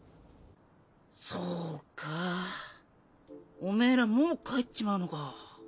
そうかオメエらもう帰っちまうのか。